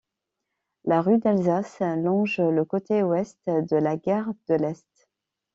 La rue d'Alsace longe le côté ouest de la gare de l'Est.